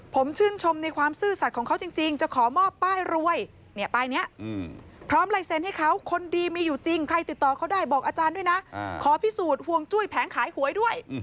ไปติดต่อเขาได้บอกอาจารย์ด้วยนะขอพิสูจน์ห่วงจุ้ยแผงขายหวยด้วย